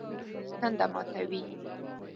چاکلېټ د زړه تنده ماتوي.